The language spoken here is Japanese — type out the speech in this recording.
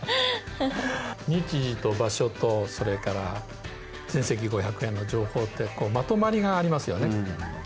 日時と場所とそれから全席５００円の情報ってまとまりがありますよね。